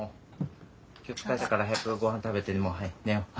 今日疲れたから早くごはん食べてもうはい寝よう。